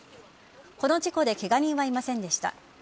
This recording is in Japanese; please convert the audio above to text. この事故でケガ人はいませんでした。